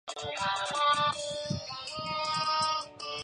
是一家位于日本大阪府大阪市北区的男同性恋色情片制片公司。